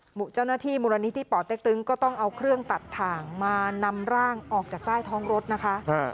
เจ้าหน้าที่มูลนิธิป่อเต็กตึงก็ต้องเอาเครื่องตัดถ่างมานำร่างออกจากใต้ท้องรถนะคะ